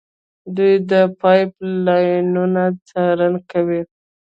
دوی د پایپ لاینونو څارنه کوي.